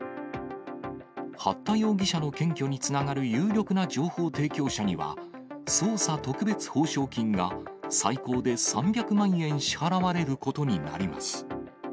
八田容疑者の検挙につながる有力な情報提供者には、捜査特別報奨金が最高で３００万円支払われることになります。